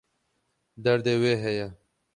Derdê wê heye.